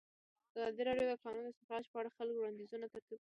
ازادي راډیو د د کانونو استخراج په اړه د خلکو وړاندیزونه ترتیب کړي.